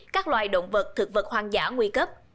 các loài động vật thực vật hoang dã nguy cấp